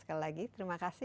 sekali lagi terima kasih